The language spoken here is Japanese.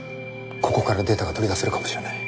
ここからデータが取り出せるかもしれない。